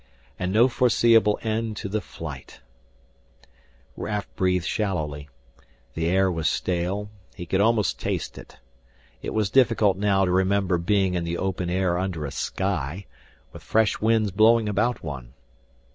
And no foreseeable end to the flight Raf breathed shallowly. The air was stale, he could almost taste it. It was difficult now to remember being in the open air under a sky, with fresh winds blowing about one.